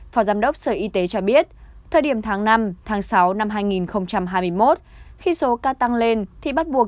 phó giám đốc sở y tế cho biết thời điểm tháng năm tháng sáu năm hai nghìn hai mươi một khi số ca tăng lên thì bắt buộc